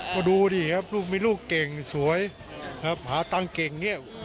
มาดูดิครับมีลูกเก่งสวยหาตังค์เก่ง